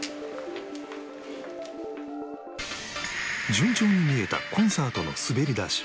順調に見えたコンサートの滑り出し